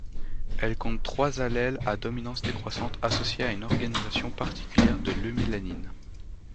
Elle compte trois allèles à dominance décroissante associés à une organisation particulière de l’eumélanine.